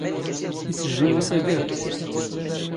ⵉⵙ ⵊⵊⵓ ⵏⵎⵙⴰⴳⴰⵔ?